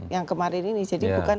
yang kemarin ini jadi bukan